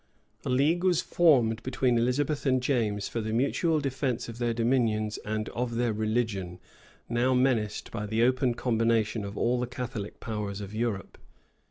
[] A league was formed between Elizabeth and James for the mutual defence of their dominions and of their religion, now menaced by the open combination of all the Catholic powers of Europe.